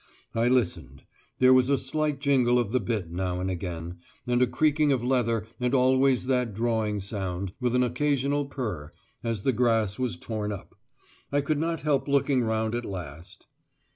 I listened. There was a slight jingle of the bit now and again, and a creaking of leather, and always that drawing sound, with an occasional purr, as the grass was torn up. I could not help looking round at last.